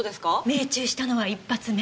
命中したのは１発目。